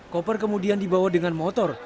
koper kemudian dibawa dengan motor